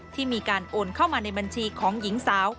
ที่มีการโอนเข้ามาในบัญชีของหญิงสาว